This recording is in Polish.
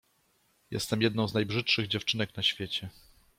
Jestem jedną z najbrzydszych dziewczynek na świecie.